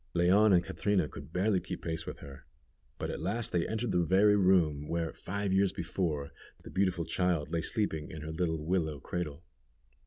Leon and Catrina could barely keep pace with her, but at last they entered the very room, where, five years before, the beautiful child lay sleeping in her little willow cradle.